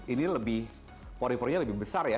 ini lebih pori porinya lebih besar ya